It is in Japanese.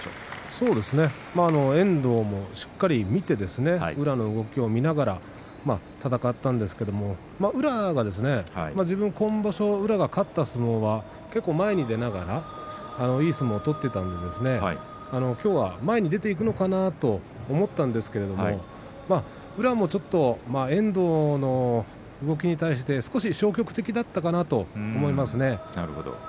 そうですね、遠藤もしっかり宇良の動きを見ながら戦ったんですが今場所、宇良が勝った相撲は前に出ながらいい相撲を取っていたんできょうは前に出ていくのかなと思ったんですけれども宇良もちょっと遠藤の動きに対して消極的だったかなと思いますね。